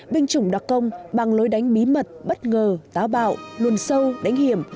binh chủng đặc công bằng lối đánh bí mật bất ngờ táo bạo lùn sâu đánh hiểm